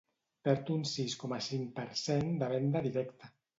Perd un sis coma cinc per cent de venda directa.